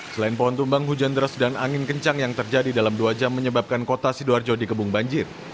selain pohon tumbang hujan deras dan angin kencang yang terjadi dalam dua jam menyebabkan kota sidoarjo dikebung banjir